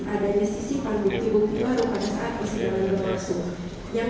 adanya sisi pandu di bukti baru